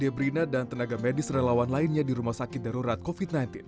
debrina dan tenaga medis relawan lainnya di rumah sakit darurat covid sembilan belas